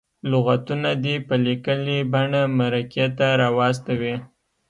لغتونه دې په لیکلې بڼه مرکې ته راواستوي.